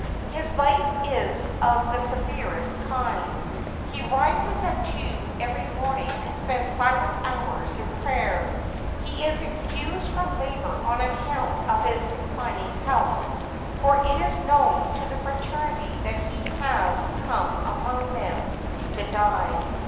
His life is ot the severest kind. He rises at two every morning to spend silent hours in prayer — he is excused from labour on account of his declining health, for it is known to the fraternity that he has come among them to die.